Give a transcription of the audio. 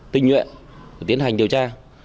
tinh nhuệ tiến hành điều tra